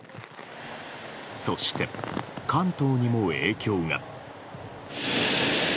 そして、関東にも影響が。